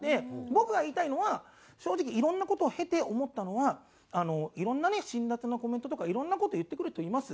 僕が言いたいのは正直いろんな事を経て思ったのはいろんなね辛辣なコメントとかいろんな事言ってくる人います。